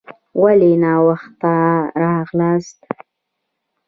ولي ناوخته راغلاست؟